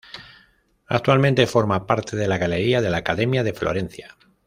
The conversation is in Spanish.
Actualmente forma parte de la Galería de la Academia de Florencia.